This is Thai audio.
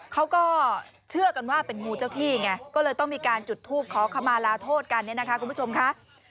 เขาก็เชื่อกันว่าเป็นงูเจ้าที่ไงก็เลยต้องมีการจุดทูปขอขมาลาโทษกันเนี่ยนะคะคุณผู้ชมค่ะ